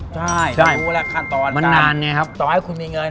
ใช่เรารู้แล้วขั้นตอนมันนานไงครับต่อให้คุณมีเงิน